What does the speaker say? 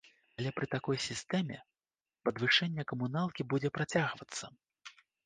Але пры такой сістэме падвышэнне камуналкі будзе працягвацца.